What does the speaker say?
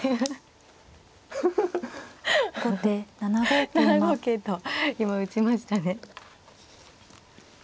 ７五桂と今打ちましたね。